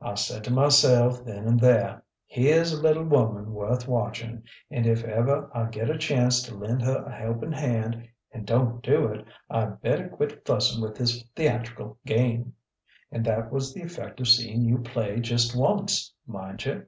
I said to myself then and there: 'Here's a little woman worth watching, and if ever I get a chance to lend her a helping hand and don't do it, I'd better quit fussing with this theatrical game.' And that was the effect of seeing you play just once, mind you!"